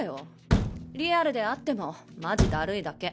リアルであってもマジだるいだけ。